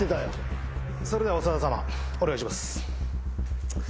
それでは長田さまお願いします。